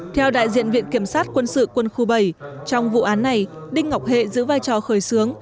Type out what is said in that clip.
theo đại diện viện kiểm sát quân sự quân khu bảy trong vụ án này đinh ngọc hệ giữ vai trò khởi xướng